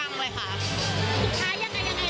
ปรึกษาแล้วหรือเปล่าอย่างนี้ค่ะ